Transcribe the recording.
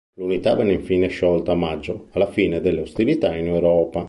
L'unità venne infine sciolta a maggio alla fine delle ostilità in Europa.